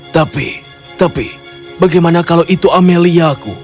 tapi tapi bagaimana kalau itu ameliaku